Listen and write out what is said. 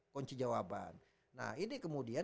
kunci jawaban nah ini kemudian